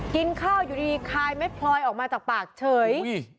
กินข้าวอยู่ดีคายเม็ดพลอยออกมาจากปากเฉย